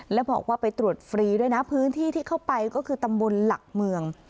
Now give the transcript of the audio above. แล้วบอกว่าไปตรวจฟรีด้วยนะพื้นที่ที่เข้าไปก็คือตำบลหลักเมือง